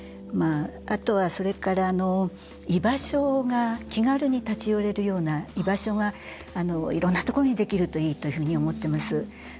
あとは気軽に立ち寄れるような居場所がいろんなところにできるといいというふうに思ってます。